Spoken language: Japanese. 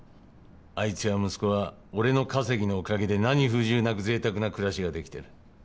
あいつや息子は俺の稼ぎのおかげで何不自由なく贅沢な暮らしができてる。